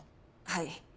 はい。